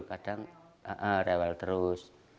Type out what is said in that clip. kadang rewel terus